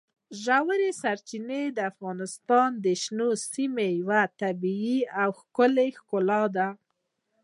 ژورې سرچینې د افغانستان د شنو سیمو یوه طبیعي او ښکلې ښکلا ده.